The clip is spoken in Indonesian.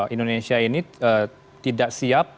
indonesia ini tidak siap